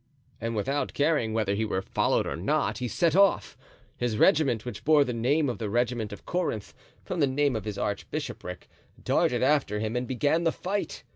And without caring whether he were followed or not he set off; his regiment, which bore the name of the regiment of Corinth, from the name of his archbishopric, darted after him and began the fight.